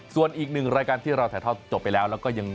ส่วนอีกหนึ่งรายการที่เราถ่ายทอดจบไปแล้วแล้วก็ยัง